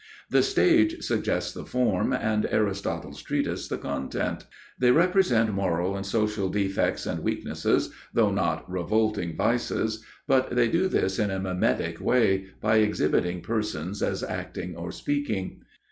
The stage suggests the form, and Aristotle's treatise the content. They represent moral and social defects and weaknesses, though not revolting vices, but they do this in a mimetic way by exhibiting persons as acting or speaking.